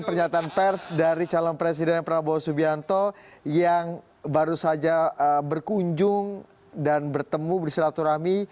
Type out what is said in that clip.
pernyataan pers dari calon presiden prabowo subianto yang baru saja berkunjung dan bertemu bersilaturahmi